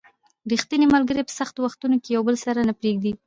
ریښتیني ملګري په سختو وختونو کې یو بل نه پرېږدي